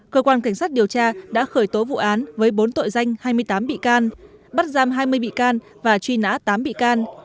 cơ quan cảnh sát điều tra đã khởi tố vụ án với bốn tội danh hai mươi tám bị can bắt giam hai mươi bị can và truy nã tám bị can